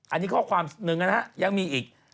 อันนี้ข้อความหนึ่งนะฮะยังมีอีก